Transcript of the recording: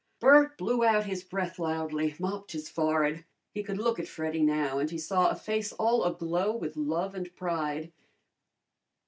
Bert blew out his breath loudly, mopped his forehead. He could look at Freddy now, and he saw a face all aglow with love and pride.